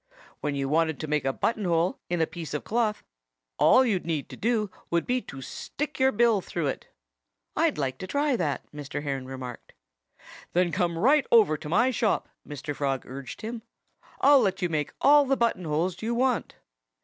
When you wanted to make a button hole in a piece of cloth all you'd need do would be to stick your bill through it." "I'd like to try that," Mr. Heron remarked. "Then come right over to my shop," Mr. Frog urged him. "I'll let you make all the button holes you want."